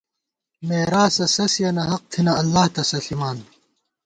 مېراث سَسِیَنہ حق تھنہ، اللہ تسہ ݪِمان